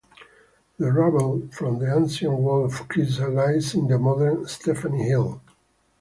The rubble from the ancient wall of Krissa lies in the modern Stefani hill.